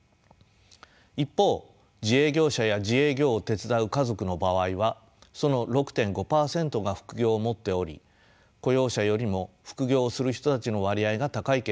一方自営業者や自営業を手伝う家族の場合はその６．５％が副業を持っており雇用者よりも副業をする人たちの割合が高い傾向にあります。